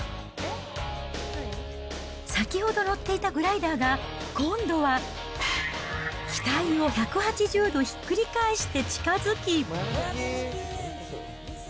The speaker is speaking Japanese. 先ほど乗っていたグライダーが、今度は機体を１８０度ひっくり返して近づき。